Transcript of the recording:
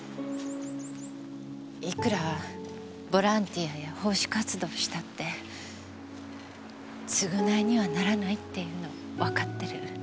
いくらボランティアや奉仕活動したって償いにはならないっていうのわかってる。